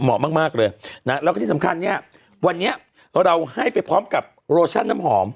มากเลยนะแล้วก็ที่สำคัญเนี่ยวันนี้เราให้ไปพร้อมกับโรชั่นน้ำหอม